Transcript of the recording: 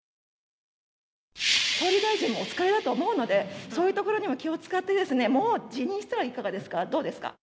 総理大臣もお疲れだと思うので、そういうところにも気を遣ってですね、もう辞任したらいかがですか、どうですか？